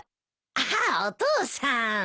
あっお父さん。